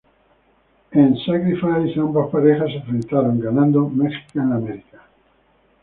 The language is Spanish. En "Sacrifice" ambas parejas se enfrentaron, ganando Mexican America.